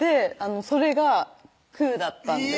それがくーだったんです